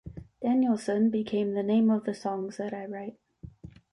Danielson became the name of the songs that I write.